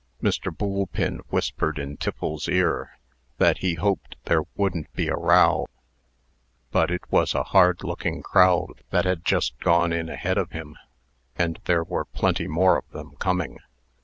Mr. Boolpin whispered in Tiffles's ear, that he hoped there wouldn't be a row; but it was a hard looking crowd that had just gone in ahead of him. And there were plenty more of them coming.